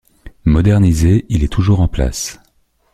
Modernisé, il est toujours en place.